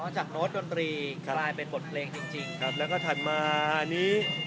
จากโน้ตดนตรีกลายเป็นบทเพลงจริงจริงครับแล้วก็ถัดมาอันนี้